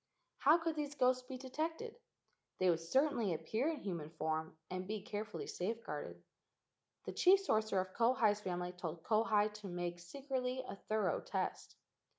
How could these ghosts be detected? They would certainly appear in human form and be carefully safeguarded. The chief sorcerer of Kauhi's family told Kauhi to make secretly a thorough test.